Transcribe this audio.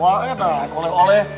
wah ya udah oleh oleh